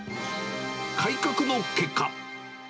改革の結果。